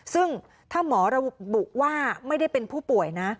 ซึ่งถ้าหมอระบุว่าไม่ได้เป็นผู้ป่วยนะ